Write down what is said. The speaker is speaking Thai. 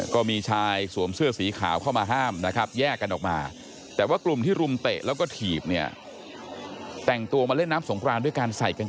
ก็มีชายที่ทรวมเสื้อสีขาวเข้ามาห้ามแยกกันมา